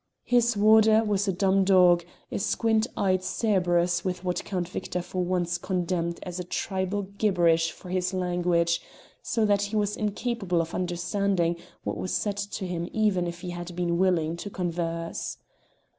His warder was a dumb dog, a squint eyed Cerberus with what Count Victor for once condemned as a tribal gibberish for his language, so that he was incapable of understanding what was said to him even if he had been willing to converse.